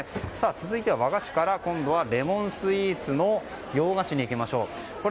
続いては和菓子からレモンスイーツの洋菓子に行きましょう。